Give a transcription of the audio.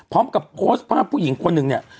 พร้อมกับโพสต์ภาพผู้หญิงคนหนึ่งเนี่ย